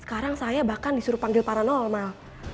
sekarang saya bahkan disuruh panggil paranolmal